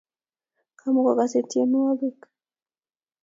Kamukokase tienwogik